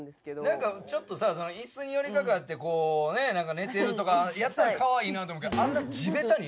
何かちょっとさ椅子によりかかってこうね寝てるとかやったらカワイイなと思うけどあんな。